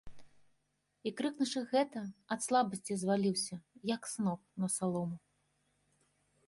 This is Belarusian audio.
І, крыкнуўшы гэта, ад слабасці зваліўся, як сноп, на салому.